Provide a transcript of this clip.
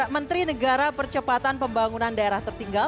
menteri negara percepatan pembangunan daerah tertinggal